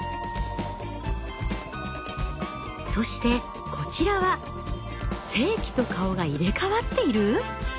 そしてこちらは性器と顔が入れ代わっている？